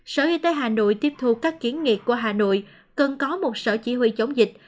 sở y tế hà nội tiếp thu các kiến nghị của hà nội cần có một sở chỉ huy chống dịch